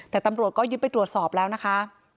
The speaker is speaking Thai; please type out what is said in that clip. แต่ตำรวจก็ยึดไปตรวจสอบแล้วนะคะ